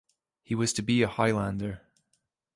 He was to be a Highlander.